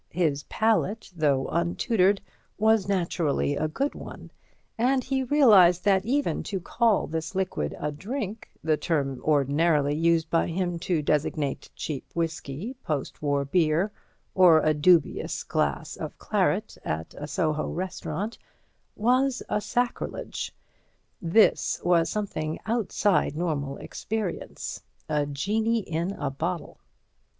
His palate, though untutored, was naturally a good one, and he realized that even to call this liquid a drink—the term ordinarily used by him to designate cheap whisky, post war beer or a dubious glass of claret in a Soho restaurant—was a sacrilege; this was something outside normal experience: a genie in a bottle.